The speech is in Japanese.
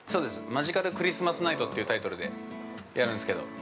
「マジカルクリスマスナイト」というタイトルでやるんすけど。